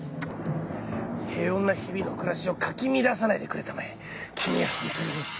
平穏な日々の暮らしをかき乱さないでくれたまえ。